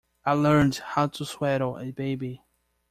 I learned how to swaddle a baby.